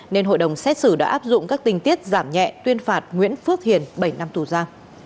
nên hội đồng xét xử đã áp dụng các tình tiết giảm nhẹ tuyên phạt nguyễn phước hiền bảy năm tù ra